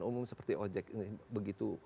umum seperti ojek ini begitu